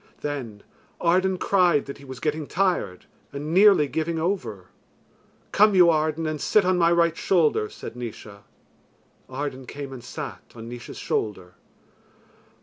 Then Arden cried that he was getting tired, and nearly giving over. "Come you, Arden, and sit on my right shoulder," said Naois. Arden came and sat, on Naois's shoulder.